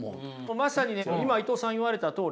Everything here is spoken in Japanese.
まさにね今伊藤さん言われたとおりでね。